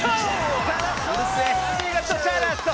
「お見事チャラッソ！」